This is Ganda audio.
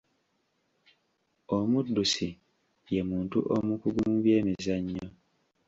Omuddusi ye muntu omukugu mu byemizannyo.